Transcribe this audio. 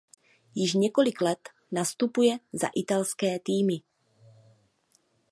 Již několik let nastupuje za italské týmy.